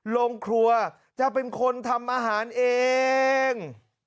โรงครัวจะเป็นคนทำอาหารเอง